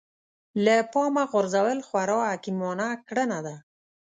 له پامه غورځول خورا حکيمانه کړنه ده.